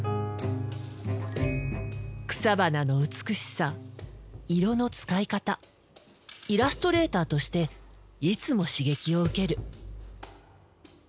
草花の美しさ色の使い方イラストレーターとしていつも刺激を受ける。